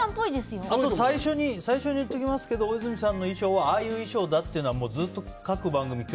最初に言っておきますけど大泉さんの衣装はああいう衣装だということはずっと各番組